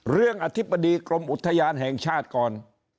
อธิบดีกรมอุทยานแห่งชาติก่อน